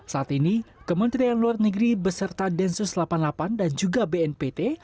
saat ini kementerian luar negeri beserta densus delapan puluh delapan dan juga bnpt